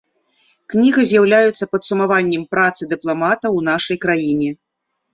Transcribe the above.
Кніга з'яўляецца падсумаваннем працы дыпламата ў нашай краіне.